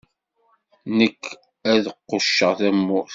Nekk, ad qucceɣ tamurt.